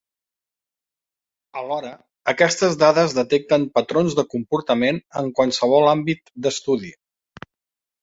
Alhora, aquestes dades detecten patrons de comportament en qualsevol àmbit d’estudi.